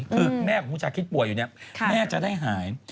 คือแม่ของคุณชาคิดป่วยอยู่เนี่ยแม่จะได้หาย